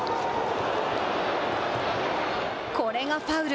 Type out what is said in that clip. これがファウル。